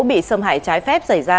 bị xâm hải trái phép xảy ra